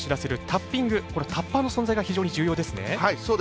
タッパーの存在が非常に重要ですね。